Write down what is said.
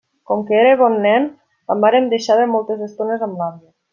Com que era bon nen, la mare em deixava moltes estones amb l'àvia.